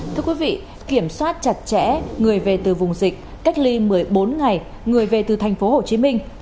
thưa quý vị kiểm soát chặt chẽ người về từ vùng dịch cách ly một mươi bốn ngày người về từ thành phố hồ chí minh